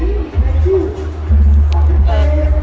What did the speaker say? สุดท้ะ